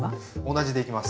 同じでいきます。